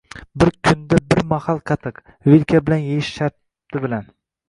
Bir kunda bir mahal qatiq. Vilka bilan yeyish sharti bilan...